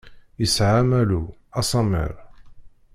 Isɛa amalu, asammer.